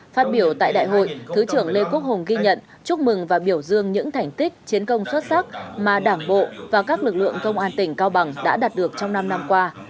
phát biểu tại đại hội thứ trưởng lê quốc hùng ghi nhận chúc mừng và biểu dương những thành tích chiến công xuất sắc mà đảng bộ và các lực lượng công an tỉnh cao bằng đã đạt được trong năm năm qua